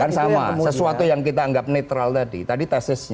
kan sama sesuatu yang kita anggap netral tadi tesisnya